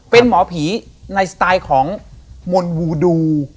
เป็นหมอผีในสไตล์ของมนต์วูดู